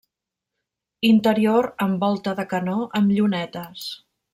Interior amb volta de canó amb llunetes.